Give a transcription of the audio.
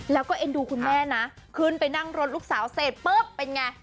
แล้วก็เอ็นดูคุณแม่นะขึ้นไปนั่งรถลูกสาวเสร็จปุ๊บเป็นไง